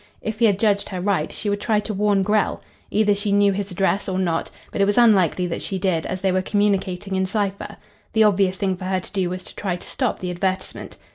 If he had judged her right, she would try to warn Grell. Either she knew his address or not, but it was unlikely that she did, as they were communicating in cipher. The obvious thing for her to do was to try to stop the advertisement.